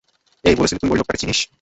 এই, বলেছিলি তুই ঐ লোকটাকে চিনিস?